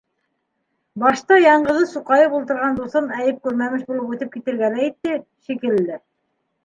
Башта яңғыҙы суҡайып ултырған дуҫын Әйүп күрмәмеш булып үтеп китергә лә итте, шикелле.